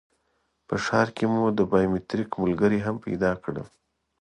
په ښار کې مو د بایومټریک ملګري هم پیدا کړل.